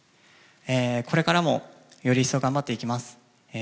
これからも、より一層頑張っていきます。